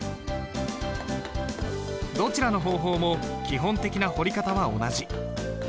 どちらの方法も基本的な彫り方は同じ。